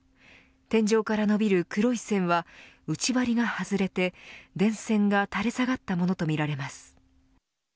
天井から伸びる黒い線は内張りが外れて電線が垂れ下がったものとみられます。